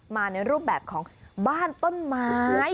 มาในรูปแบบของบ้านต้นไม้